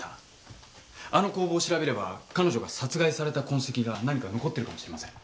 あの工房を調べれば彼女が殺害された痕跡が何か残ってるかもしれません。